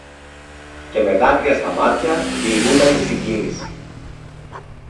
και με δάκρυα στα μάτια διηγούνταν τη συγκίνηση